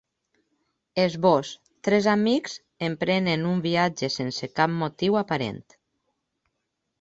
Esbós: Tres amics emprenen un viatge sense cap motiu aparent.